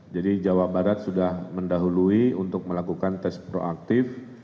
jadi jawa barat sudah mendahului untuk melakukan tes proaktif